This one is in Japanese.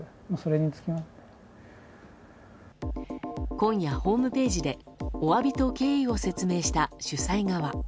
今夜、ホームページでお詫びと経緯を説明した主催側。